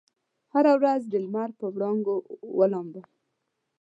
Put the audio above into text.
هره ورځ دلمر په وړانګو ولامبم